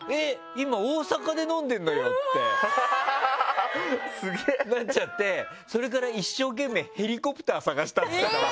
今大阪で飲んでるんだけどってなっちゃってそれから一生懸命ヘリコプター探したって言ってたわ。